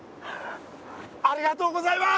ありがとうございます！